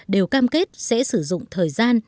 đều cam kết sẽ sử dụng thời gian